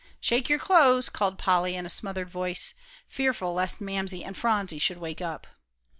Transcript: "Shake your clothes," called Polly, in a smothered voice, fearful lest Mamsie and Phronsie should wake up.